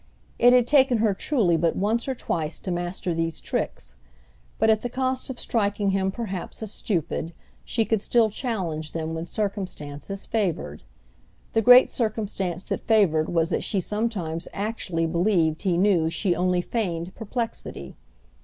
It had taken her truly but once or twice to master these tricks, but, at the cost of striking him perhaps as stupid, she could still challenge them when circumstances favoured. The great circumstance that favoured was that she sometimes actually believed he knew she only feigned perplexity.